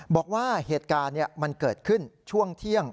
บอกว่าเหตุการณ์มันเกิดขึ้นช่วงเที่ยง